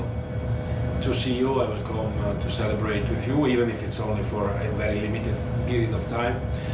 เอเจียเจียในตัวฉันจะดูโรงพยาบาลในโลกที่ไทย